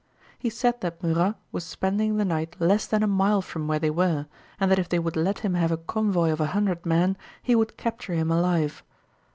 He said that Murat was spending the night less than a mile from where they were, and that if they would let him have a convoy of a hundred men he would capture him alive.